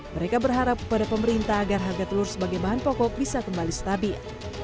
mereka berharap kepada pemerintah agar harga telur sebagai bahan pokok bisa kembali stabil